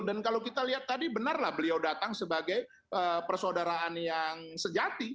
dan kalau kita lihat tadi benar lah beliau datang sebagai persaudaraan yang sejati